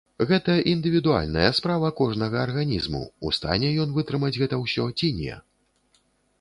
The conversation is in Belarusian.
Гэта індывідуальная справа кожнага арганізму, у стане ён вытрымаць гэта ўсё ці не.